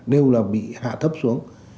đều là bị hạ thấp xuống